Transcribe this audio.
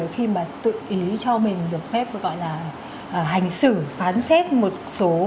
khi mà tự ý cho mình được phép gọi là hành xử phán xét một số